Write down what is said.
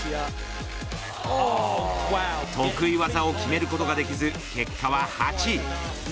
得意技を決めることができず結果は８位。